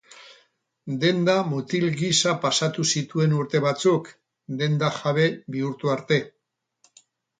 Denda mutil gisa pasatu zituen urte batzuk, denda jabe bihurtu arte.